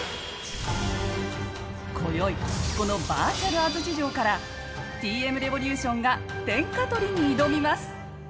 こよいこのバーチャル安土城からＴ．Ｍ．Ｒｅｖｏｌｕｔｉｏｎが天下とりに挑みます！